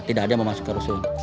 tidak ada yang masuk ke rumah rusun